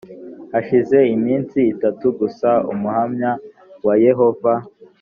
hashize iminsi itatu gusa umuhamya wa yehova